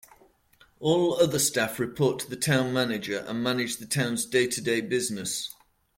All other staff report to the town manager and manage the town's day-to-day business.